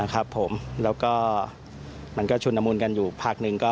ครับผมแล้วก็มันก็ชุนละมุนกันอยู่พักหนึ่ง